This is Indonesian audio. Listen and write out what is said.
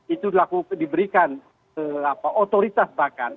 itu diberikan otoritas bahkan